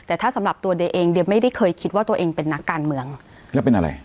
แต่ถ้าสำหรับตัวเดียเองเดย์ไม่ได้เคยคิดว่าตัวเองเป็นนักการเมืองแล้วเป็นอะไร